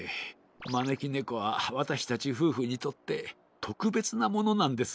まねきねこはわたしたちふうふにとってとくべつなものなんです。